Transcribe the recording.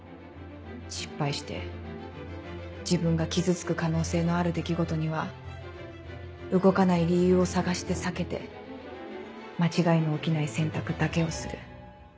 失敗して自分が傷つく可能性のある出来事には動かない理由を探して避けて間違いの起きない選択だけをする。